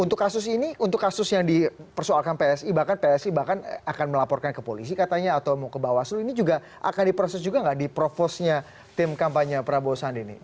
untuk kasus ini untuk kasus yang dipersoalkan psi bahkan psi bahkan akan melaporkan ke polisi katanya atau mau ke bawaslu ini juga akan diproses juga nggak di provosnya tim kampanye prabowo sandi ini